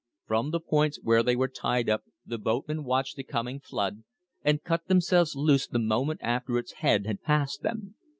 From the points where they were tied up the boatmen watched the coming flood and cut themselves loose the moment after its head had passed them.